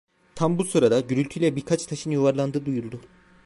Tam bu sırada gürültüyle birkaç taşın yuvarlandığı duyuldu.